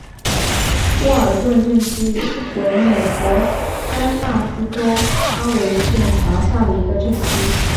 沃尔顿镇区为美国堪萨斯州哈维县辖下的镇区。